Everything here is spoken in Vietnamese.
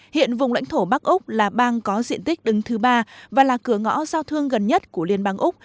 hiện vùng lãnh thổ bắc úc là bang có diện tích đứng thứ ba và là cửa ngõ giao thương gần nhất của liên bang úc